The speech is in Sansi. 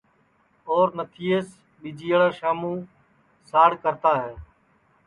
اور نتھیس ٻیجیاڑا شاموں ساڑ کرتا ہے